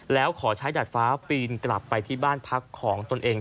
แล้วขอใช้ดาดฟ้าปีนกลับไปที่บ้านพักของตนเอง